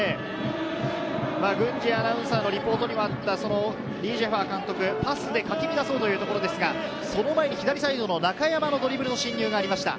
郡司アナウンサーのリポートにもあった李済華監督、パスでかき乱そうというところですが、その前に中山の進入がありました。